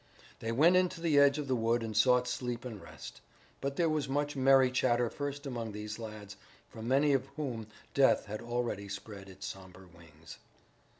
They went into the edge of the wood and sought sleep and rest. But there was much merry chatter first among these lads, for many of whom death had already spread its somber wings.